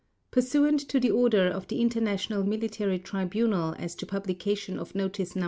Pursuant to the order of the International Military Tribunal as to publication of Notice No.